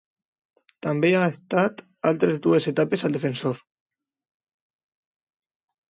També ha estat altres dues etapes al Defensor.